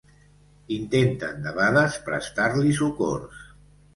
Intenten debades prestar-li socors.